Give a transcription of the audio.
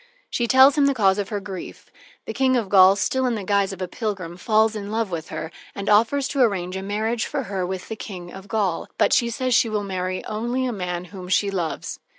She tells him the cause of her grief. The King of Gaul, still in the guise of a pilgrim, falls in love with her, and offers to arrange a marriage for her with the King of Gaul, but she says she will marry only a man whom she loves.